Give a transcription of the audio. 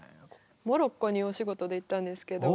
モロッコにお仕事で行ったんですけど。